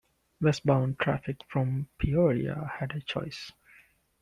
West bound traffic from Peoria had a choice.